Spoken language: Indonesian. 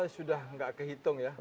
sudah tidak terhitung ya